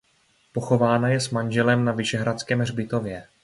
Pochována je s manželem na Vyšehradském hřbitově.